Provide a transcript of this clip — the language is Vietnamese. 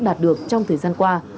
đạt được trong thời gian qua